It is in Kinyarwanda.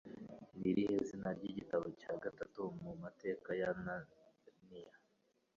Ni irihe zina ry'igitabo cya gatandatu mu mateka ya narnia